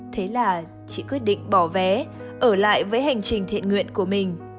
thế là chị quyết định bỏ vé ở lại với hành trình thiện nguyện của mình